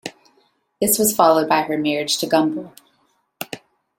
This was followed by her marriage to Gumble.